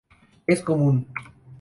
Es común.